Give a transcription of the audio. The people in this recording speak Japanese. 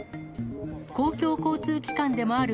公共交通機関でもある